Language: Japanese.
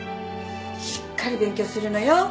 しっかり勉強するのよ。